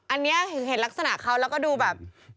อันนี้เห็นลักษณะเขาแล้วก็ดูแบบ